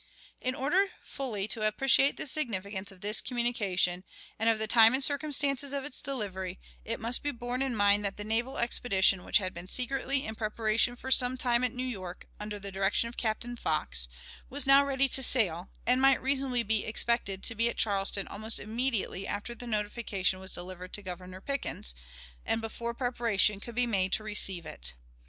In order fully to appreciate the significance of this communication, and of the time and circumstances of its delivery, it must be borne in mind that the naval expedition which had been secretly in preparation for some time at New York, under direction of Captain Fox, was now ready to sail, and might reasonably be expected to be at Charleston almost immediately after the notification was delivered to Governor Pickens, and before preparation could be made to receive it.